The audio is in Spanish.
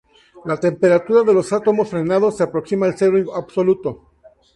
La temperatura de los átomos frenados se aproximaba al cero absoluto.